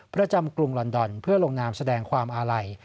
กรุงลอนดอนเพื่อลงนามแสดงความอาลัย